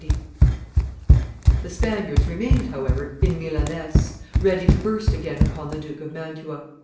] The Spaniards remained, however, in Milaness, ready to burst again upon the Duke of Mantua.